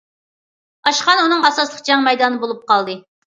ئاشخانا ئۇنىڭ ئاساسلىق جەڭ مەيدانى بولۇپ قالدى.